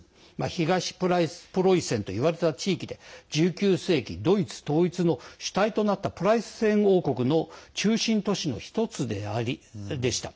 東プロイセンといわれた地域で１９世紀ドイツ統一の主体となったプロイセン王国の中心都市の１つでした。